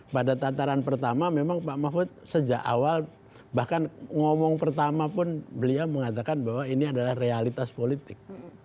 pada tataran pertama memang pak mahfud sejak awal bahkan ngomong pertama pun beliau mengatakan bahwa ini adalah realitas politik